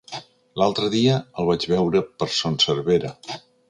L'altre dia el vaig veure per Son Servera.